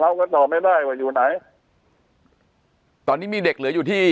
กันต่อไม่ได้ว่าอยู่ไหนตอนนี้มีเด็กเหลืออยู่ที่